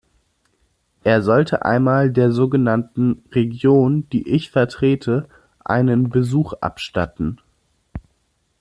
Er sollte einmal der so genannten Region, die ich vertrete, einen Besuch abstatten.